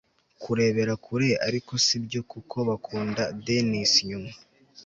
kurebera kure, ariko sibyo kuko bakunda dennis, nyuma